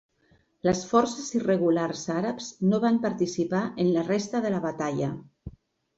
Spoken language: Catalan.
Les forces irregulars àrabs no van participar en la resta de la batalla.